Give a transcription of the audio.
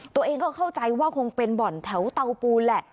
ตัวเองก็เข้าใจว่าคงเป็นบ่อนแถวเตาปูนแหละ